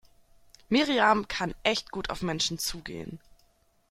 Miriam kann echt gut auf Menschen zugehen.